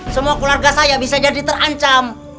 semua keluarga saya bisa jadi terancam